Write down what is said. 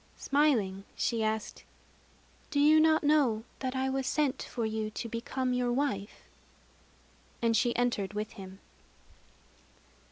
Smiling, she asked: "Do you not know that I was sent for to become your wife?" And she entered with him.